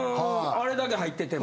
あれだけ入ってても？